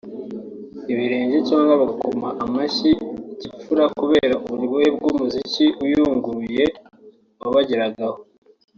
ibirenge cyangwa bagakoma mu mashyi gipfura kubera uburyohe bw’umuziki uyunguruye wabageragaho